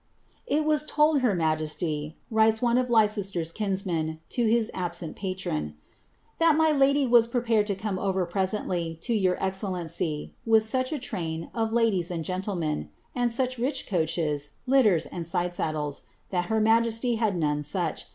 " It was told her majesty," writes one of Leicester's kinsmen to hit absent patron, " that my lady was prepared to come over presenUy U' your excellency, with such a train of ladies and gentlemen, and such rich coaches, litters, and side saddles, that her majesty had none such; 'Hi«ioiy of Kngland.